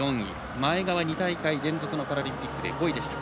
前川、２大会連続のパラリンピックで５位でした。